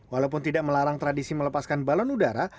walaupun tidak melarang tradisi melepaskan balon udara